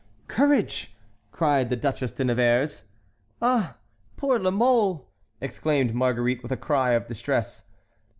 "Courage!" cried the Duchesse de Nevers. "Ah, poor La Mole!" exclaimed Marguerite, with a cry of distress.